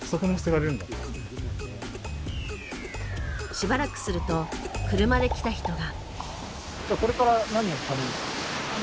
しばらくすると車で来た人が。